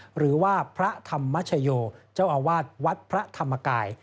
หรือว่าพระธรรมชโยเจ้าอาวาสวัดพระธรรมกาย